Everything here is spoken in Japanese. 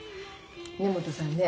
根本さんね